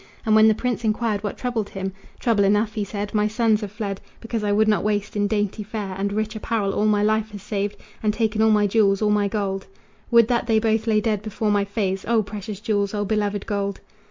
And when the prince enquired what troubled him: "Trouble enough," he said, "my sons have fled Because I would not waste in dainty fare And rich apparel all my life has saved, And taken all my jewels, all my gold. Would that they both lay dead before my face! O precious jewels! O beloved gold!"